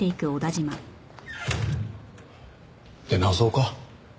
出直そうか。